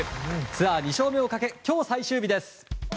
ツアー２勝目をかけ今日、最終日です。